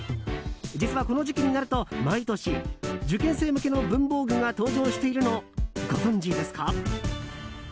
実は、この時期になると毎年、受験生向けの文房具が登場しているの、ご存じですか？